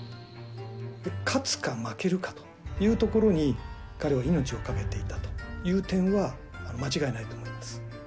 勝つか負けるかというところに彼は命を懸けていたという点は間違いないと思います。